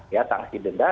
ya sanksi denda